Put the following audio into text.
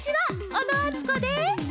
小野あつこです。